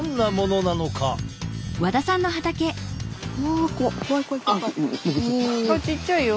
あっちっちゃいよ。